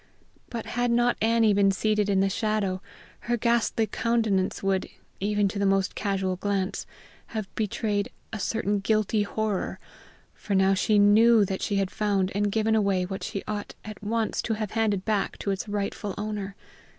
But had not Annie been seated in the shadow, her ghastly countenance would, even to the most casual glance, have betrayed a certain guilty horror, for now she knew that she had found and given away what she ought at once to have handed back to its rightful owner.